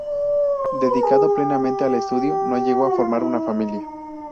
Dedicado plenamente al estudio, no llegó a formar una familia.